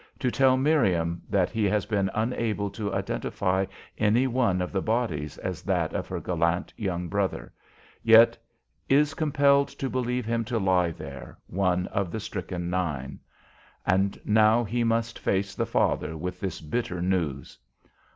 to tell Miriam that he has been unable to identify any one of the bodies as that of her gallant young brother, yet is compelled to believe him to lie there, one of the stricken nine. And now he must face the father with this bitter news!